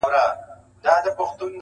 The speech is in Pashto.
فکر د عمل لارښود دی,